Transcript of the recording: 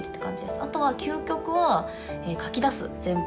あとは究極は、書きだす、全部。